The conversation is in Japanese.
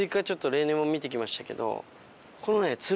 例年も見てきましたけど。